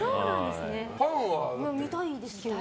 見たいですけどね。